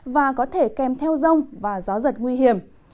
và có thể kèm theo rông và gió giật nguy hiểm